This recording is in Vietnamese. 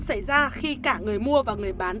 xảy ra khi cả người mua và người bán